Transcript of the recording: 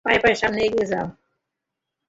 পায়ে পায়ে সামনে এগিয়ে যাও।